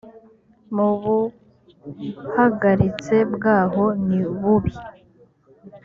mu buhagaritse bwaho nibubi